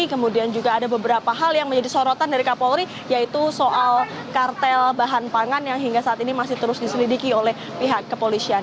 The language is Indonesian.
kemudian juga ada beberapa hal yang menjadi sorotan dari kapolri yaitu soal kartel bahan pangan yang hingga saat ini masih terus diselidiki oleh pihak kepolisian